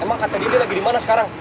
emang kata dia lagi lagi dimana sekarang